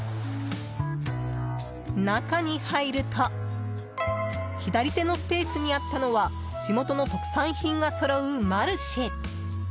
中に入ると左手のスペースにあったのは地元の特産品がそろうマルシェ。